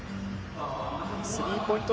スリーポイント